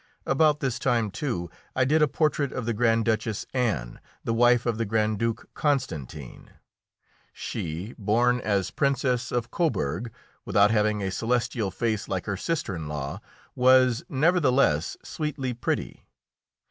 About this time, too, I did a portrait of the Grand Duchess Anne, the wife of the Grand Duke Constantine. She, born as Princess of Coburg, without having a celestial face like her sister in law, was nevertheless sweetly pretty.